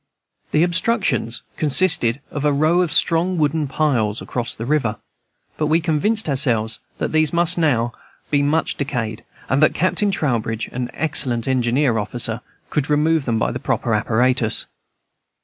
The obstructions consisted of a row of strong wooden piles across the river; but we convinced ourselves that these must now be much decayed, and that Captain Trowbridge, an excellent engineer officer, could remove them by the proper apparatus.